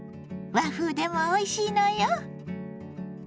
和風でもおいしいのよ。